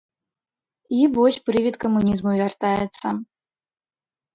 І вось прывід камунізму вяртаецца.